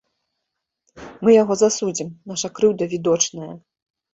Мы яго засудзім, наша крыўда відочная.